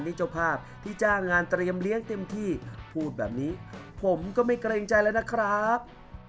นี่เจ้าภาพที่จ้างงานเตรียมเลี้ยงเต็มที่พูดแบบนี้ผมก็ไม่เกรงใจแล้วนะครับ